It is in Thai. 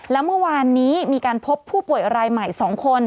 แล้วเมื่อวานนี้มีการพบผู้ป่วยรายใหม่๒คน